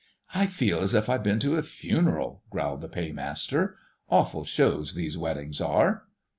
"I feel as if I'd been to a funeral," growled the Paymaster. "Awful shows these weddings are!"